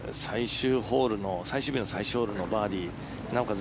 最終日の最終ホールのバーディーなおかつ